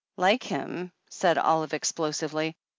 "Like him?" said Olive explosively.